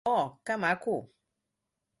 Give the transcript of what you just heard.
Oh, que maco!